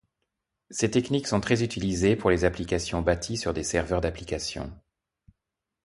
Ces techniques sont très utilisées pour les applications bâties sur des serveurs d'applications.